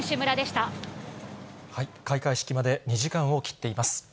開会式まで２時間を切っています。